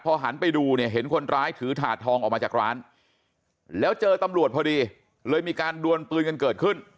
หันไปดูเนี่ยเห็นคนร้ายถือถาดทองออกมาจากร้านแล้วเจอตำรวจพอดีเลยมีการดวนปืนกันเกิดขึ้น